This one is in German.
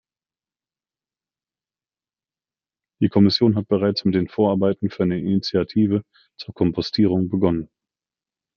Die Kommission hat bereits mit den Vorarbeiten für eine Initiative zur Kompostierung begonnen.